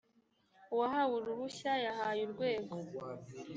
uwahawe uruhushya yahaye urwego